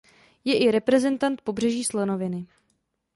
Je i reprezentant Pobřeží slonoviny.